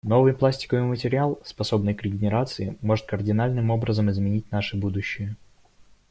Новый пластиковый материал, способный к регенерации, может кардинальным образом изменить наше будущее.